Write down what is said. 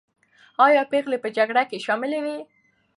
آیا پېغلې په جګړه کې شاملي وې؟